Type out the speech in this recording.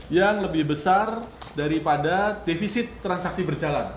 yang lebih besar daripada defisit transaksi berjalan